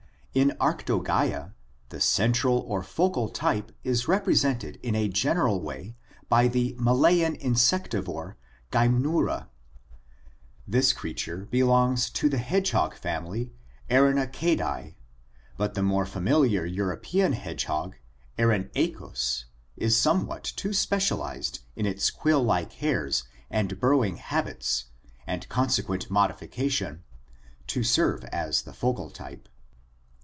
In Arclogaa the central or focal type is represented in a general way by the Malayan insectivore, Gymnura (Fig. 48). This crea ture belongs to the hedgehog family, Erinaceidje, but the more familiar European hedgehog, Erinaceus, is somewhat too specialized in its quill like hairs and burrowing habits and consequent modifica tion to serve as the focal type.